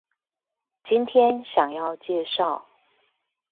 今天想要介紹